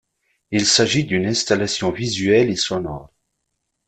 Il s'agit d'une installation visuelle et sonore.